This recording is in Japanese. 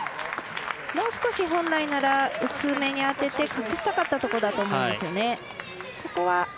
もう少し本来なら薄めに当てて隠したかったところだと思うんですよね。